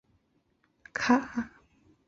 锉尾蛇主要分布于南印度及斯里兰卡。